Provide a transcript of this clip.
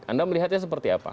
anda melihatnya seperti apa